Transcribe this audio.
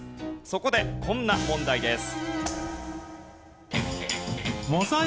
そこでこんな問題です。